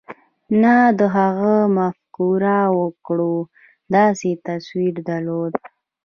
نه د هغه همفکره وګړو داسې تصور درلود.